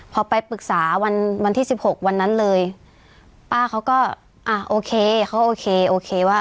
พอไปปรึกษาวันวันที่สิบหกวันนั้นเลยป้าเขาก็อ่ะโอเคเขาโอเคโอเคว่า